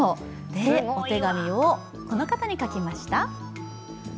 お手紙をこの方に書きました。